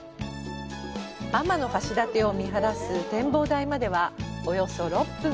天橋立を見晴らす展望台までは、およそ６分。